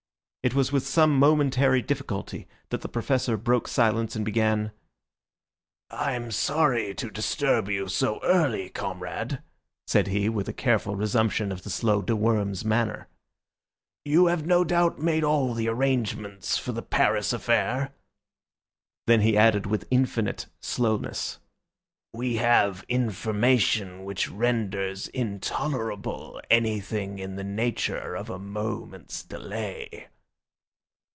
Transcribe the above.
It was with some momentary difficulty that the Professor broke silence and began, "I'm sorry to disturb you so early, comrade," said he, with a careful resumption of the slow de Worms manner. "You have no doubt made all the arrangements for the Paris affair?" Then he added with infinite slowness, "We have information which renders intolerable anything in the nature of a moment's delay."